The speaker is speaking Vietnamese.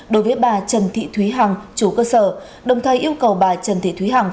đối với bà trần thị thúy hằng chủ cơ sở đồng thời yêu cầu bà trần thị thúy hằng